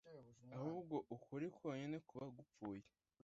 ahubwo ukuri konyine kuba gupfuye